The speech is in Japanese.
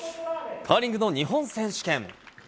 カーリングの日本選手権。